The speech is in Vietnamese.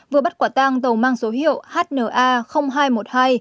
vừa bắt quả tang tàu mang số hiệu hna hai trăm một mươi hai